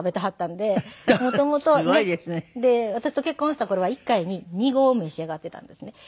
で私と結婚した頃は１回に２合召し上がっていたんですね。